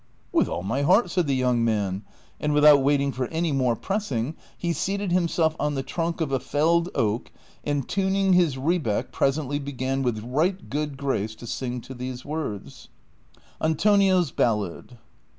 " With all my heart," said the young man, and without waiting for any more pressing he seated himself on the trunk of a felled oak, and tuning his rebeck, presently began with right good grace to sing to these words. ANTONIO'S BALLAD.'